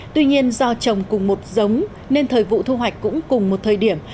tuy nhiên do trồng cùng một giống nên thời vụ thu hoạch cũng cùng một thời điểm